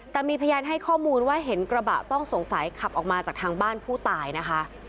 แต่มีพยานให้ข้อมูลว่าเห็นกระบะต้องสงสัยขับออกมาจากทางบ้านผู้ตายนะคะ